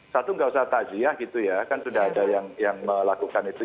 satu tidak usah tajiah kan sudah ada yang melakukan itu